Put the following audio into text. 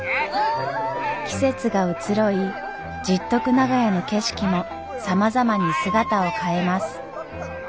季節が移ろい十徳長屋の景色もさまざまに姿を変えます。